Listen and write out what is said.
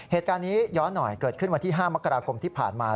เหตุการณ์นี้ย้อนหน่อยเกิดขึ้นวันที่๕มกราคมที่ผ่านมา